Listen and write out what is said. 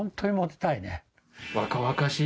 若々しい。